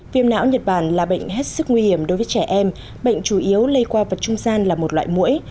viêm não nhật bản là bệnh hết sức nguy hiểm đối với trẻ em bệnh chủ yếu lây qua vật trung gian là một loại mũi